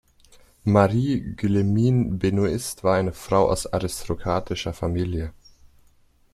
Marie-Guillemine Benoist war eine Frau aus aristokratischer Familie.